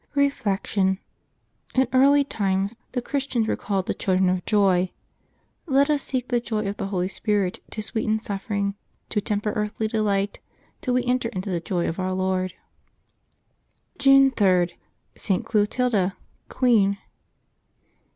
Reflection. — In early times the Christians were called the children of joy. Let us seek the joy of the Holy Spirit to sweeten suffering, to temper earthly delight, till we en ter into the joy of Our Lord. June 3.— ST. CLOTILDA, Queen.